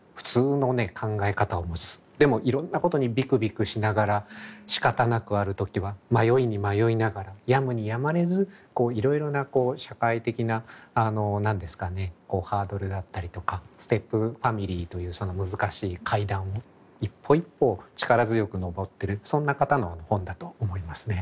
でもいろんなことにビクビクしながらしかたなくある時は迷いに迷いながらやむにやまれずいろいろな社会的なあの何ですかねハードルだったりとかステップファミリーというその難しい階段を一歩一歩力強く上ってるそんな方の本だと思いますね。